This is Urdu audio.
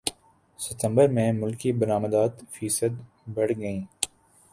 ستمبر میں ملکی برمدات فیصد بڑھ گئیں